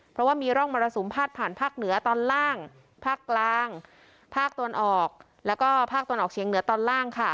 เพราะว่ามีร่องมรสุมพาดผ่านภาคเหนือตอนล่างภาคกลางภาคตะวันออกแล้วก็ภาคตะวันออกเชียงเหนือตอนล่างค่ะ